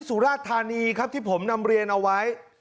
สุราชธานีครับที่ผมนำเรียนเอาไว้